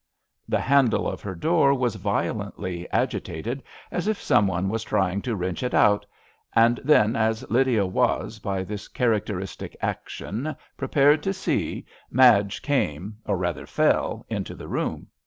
The handle of her door was violently agitated as if some one was trying to wrench it out, and then, as Lydia was, by this characteristic action, prepared to see, Madge came, or rather fell, into the room.